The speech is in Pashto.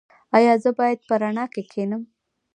ایا زه باید په رڼا کې کینم؟